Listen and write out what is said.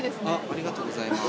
ありがとうございます。